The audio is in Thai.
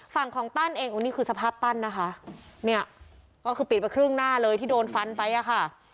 ฝั่งของตั้นเองโอ้นี่คือสภาพปั้นนะคะเนี่ยก็คือปิดไปครึ่งหน้าเลยที่โดนฟันไปอ่ะค่ะ